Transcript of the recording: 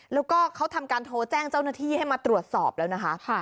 แล้วก็เขาทำการโทรแจ้งเจ้าหน้าที่ให้มาตรวจสอบแล้วนะคะ